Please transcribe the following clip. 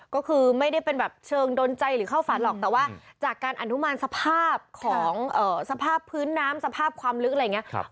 ก็คือไม่ได้เป็นแบบเชิงดนใจหรือเข้าฝันหรอกแต่ว่าจากการอนุมานสภาพของสภาพพื้นน้ำสภาพความลึกอะไรอย่างนี้